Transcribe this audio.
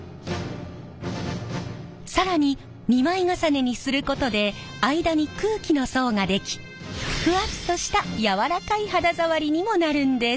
更に２枚重ねにすることで間に空気の層が出来ふわっとした柔らかい肌触りにもなるんです。